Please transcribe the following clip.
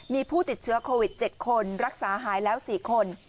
มีผู้ติดเชื้อโควิด๗คนรักษาหายแล้ว๔คน